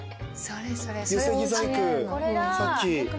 寄木細工さっき。